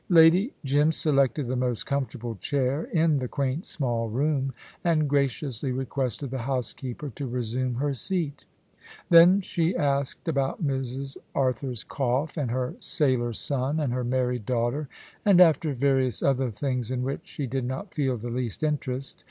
Lady Jim selected the most comfortable chair in the quaint small room, and graciously requested the housekeeper to resume her seat. Then she asked about Mrs. Arthur's cough, and her sailor son, and her married daughter, and after various other things in which she did not feel the least interest.